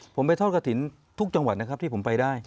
ผมไปทอดกระถิ่นทุกจังหวัดนะครับที่ผมไปได้